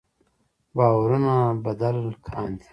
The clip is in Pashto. باورونه بدل کاندي.